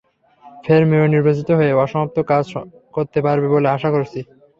ফের মেয়র নির্বাচিত হয়ে অসমাপ্ত কাজ করতে পারব বলে আশা করছি।